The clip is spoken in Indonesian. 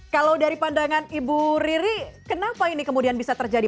kalau dari pandangan ibu riri kenapa ini kemudian bisa terjadi